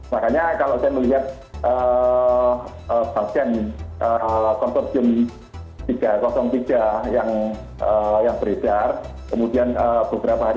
makanya kalau saya melihat vaksin kontorsium tiga ratus tiga yang beredar